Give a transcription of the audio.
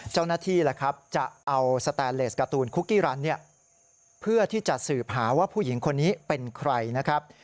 เจ้าหน้าที่จะเอาสแตนเลสการ์ตูนคุกกี้รันเนี่ยเพื่อที่จะสืบหาว่าผู้หญิงคนนี้เป็นใครนะครับ